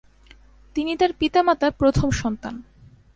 তিনি তার পিতামাতার প্রথম সন্তান।